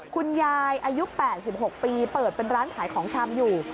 คุณยายอายุ๘๖ปีเปิดเป็นร้านขายของชำอยู่